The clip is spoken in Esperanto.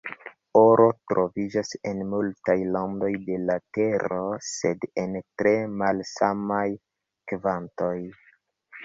Oro troviĝas en multaj landoj de la Tero, sed en tre malsamaj kvantoj.